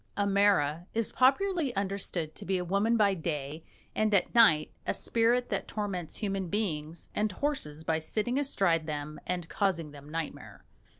A mara is popularly understood to be a woman by day and at night a spirit that torments human beings and horses by sitting astride them and causing them nightmare.